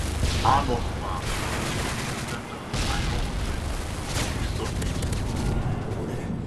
Arnolds Park is in the center of the Iowa Great Lakes resort region.